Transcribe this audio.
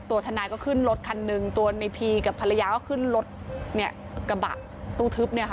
ตัวทนายก็ขึ้นรถคันหนึ่งตัวในพีกับภรรยาก็ขึ้นรถเนี่ยกระบะตู้ทึบเนี่ยค่ะ